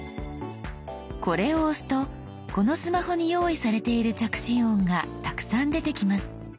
これを押すとこのスマホに用意されている着信音がたくさん出てきます。